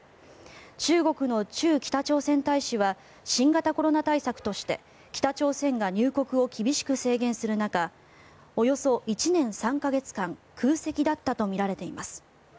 中国の駐北朝鮮大使は新型コロナ対策として北朝鮮が入国を厳しく制限する中およそ１年３か月間空席だったとみられています。